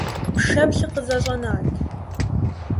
Пшэплъыр къызэщӀэнат.